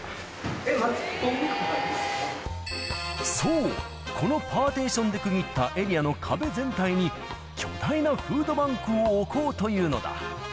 えっ、そう、このパーテーションで区切ったエリアの壁全体に、巨大なフードバンクを置こうというのだ。